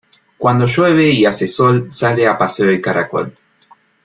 Cuando llueve y hace sol sale a paseo el caracol.